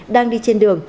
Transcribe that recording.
đang đi trên đường